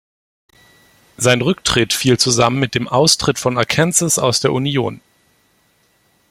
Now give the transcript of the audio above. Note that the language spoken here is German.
Sein Rücktritt fiel zusammen mit dem Austritt von Arkansas aus der Union.